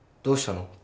どうしたの？